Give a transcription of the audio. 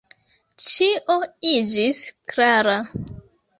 Ĉio iĝis klara.